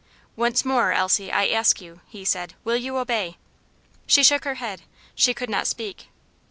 "Once more, Elsie, I ask you," he said, "will you obey?" She shook her head; she could not speak.